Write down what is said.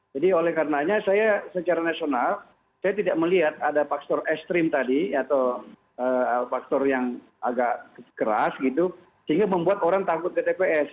jadi oleh karenanya saya secara nasional saya tidak melihat ada faktor ekstrim tadi atau faktor yang agak keras gitu sehingga membuat orang takut ke tps